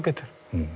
うん。